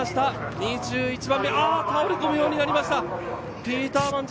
２１番目、倒れ込むようになりました。